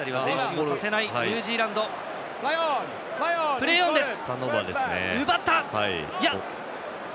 プレーオンです。